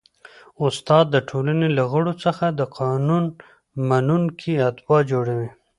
استاد د ټولني له غړو څخه د قانون منونکي اتباع جوړوي.